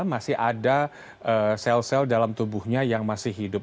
masih ada sel sel dalam tubuhnya yang masih hidup